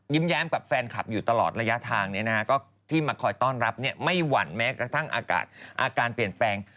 แย้มกับแฟนคลับอยู่ตลอดระยะทางที่มาคอยต้อนรับไม่หวั่นแม้กระทั่งอากาศอาการเปลี่ยนแปลง